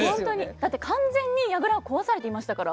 だって完全に櫓を壊されていましたから。